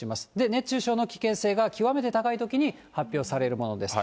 熱中症の危険性が極めて高いときに発表されるものです。